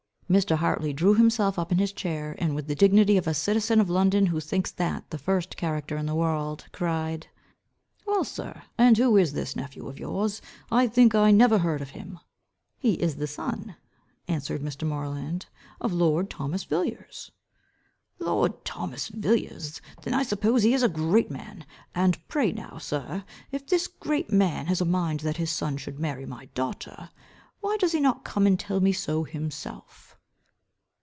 Mr. Hartley, drew himself up in his chair, and, with the dignity of a citizen of London, who thinks that the first character in the world, cried, "Well, sir, and who is this nephew of yours? I think I never heard of him." "He is the son," answered Mr. Moreland, "of lord Thomas Villiers." "Lord Thomas Villiers! Then I suppose he is a great man. And pray now, sir, if this great man has a mind that his son should marry my daughter, why does he not come and tell me so himself?"